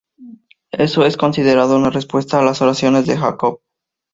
Eso es considerado una respuesta a las oraciones de Jacob.